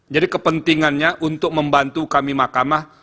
jadi kepentingannya untuk membantu kami makamah